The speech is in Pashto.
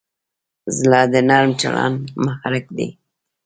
زړه د نرم چلند محرک دی.